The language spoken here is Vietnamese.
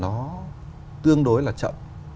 nó tương đối là chậm